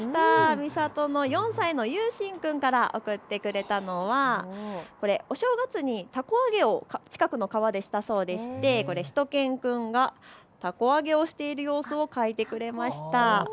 三郷の４歳の優心君から送ってくれたのはお正月にたこ揚げを近くの川でしたそうでしてしゅと犬くんがたこ揚げをしている様子を描いてくれました。